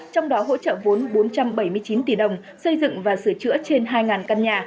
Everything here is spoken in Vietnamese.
trong đó hỗ trợ vốn bốn trăm bảy mươi chín tỷ đồng xây dựng và sửa chữa trên hai căn nhà